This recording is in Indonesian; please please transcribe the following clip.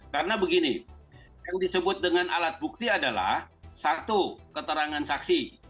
karena begini yang disebut dengan alat bukti adalah satu keterangan saksi